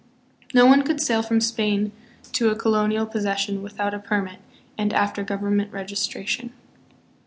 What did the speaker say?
No one could sail from Spain to a colonial possession without a permit and after government registration.